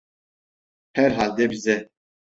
Herhalde bize…